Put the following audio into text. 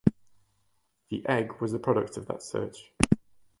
The Egg was the product of that search.